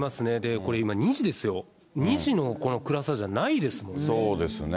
これ今２時ですよ、２時のこの暗さじゃないでそうですね。